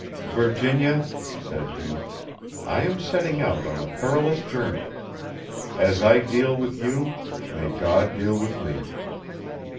"Virginia," said he, "I am setting out on a perilous journey. As I deal with you, may God deal with me."